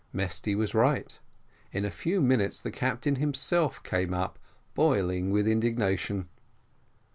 Mesty was right; in a few minutes the captain himself came up, boiling with indignation.